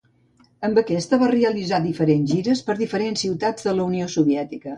Amb aquesta va realitzar diferents gires per diferents ciutats de la Unió Soviètica.